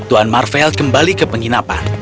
tuan marvel kembali ke penginapan